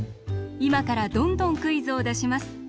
いまからどんどんクイズをだします。